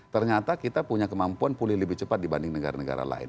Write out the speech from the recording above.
ternyata kita punya kemampuan pulih lebih cepat dibanding negara negara lain